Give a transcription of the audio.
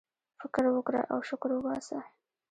فكر وكره او شكر وباسه!